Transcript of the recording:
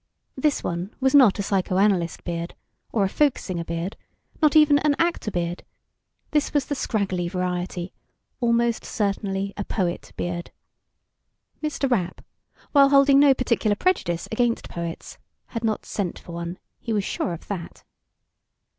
This one was not a psychoanalyst beard, or a folk singer beard; not even an actor beard. This was the scraggly variety, almost certainly a poet beard. Mr. Rapp, while holding no particular prejudice against poets, had not sent for one, he was sure of that.